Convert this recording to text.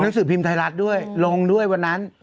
สือพิมพ์ไทยรัฐด้วยลงด้วยวันนั้น